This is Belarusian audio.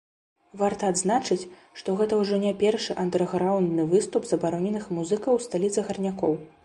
Варта адзначыць, што гэта ўжо не першы андэрграўндны выступ забароненых музыкаў у сталіцы гарнякоў.